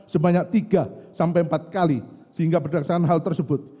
sebanyak tiga empat kali sehingga berdaksana hal tersebut